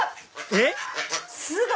えっ？